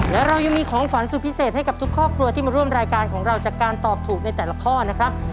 และเรายังมีของขวัญสุดพิเศษให้กับทุกครอบครัวที่มาร่วมรายการของเราจากการตอบถูกในแต่ละข้อนะครับ